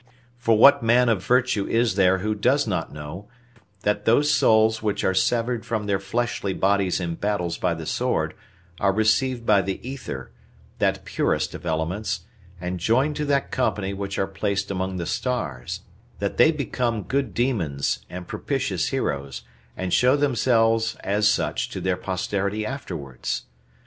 For what man of virtue is there who does not know, that those souls which are severed from their fleshly bodies in battles by the sword are received by the ether, that purest of elements, and joined to that company which are placed among the stars; that they become good demons, and propitious heroes, and show themselves as such to their posterity afterwards?